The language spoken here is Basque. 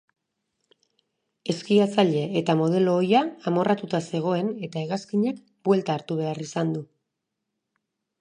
Eskiatzaile eta modelo ohia amorratuta zegoen eta hegazkinak buelta hartu behar izan du.